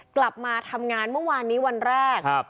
กลับมาทำงานเมื่อวานนี้วันแรก